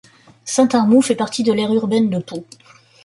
Saint-Armou fait partie de l'aire urbaine de Pau.